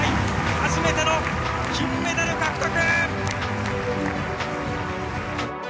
初めての金メダル獲得！